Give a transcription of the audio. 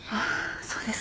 そうですか。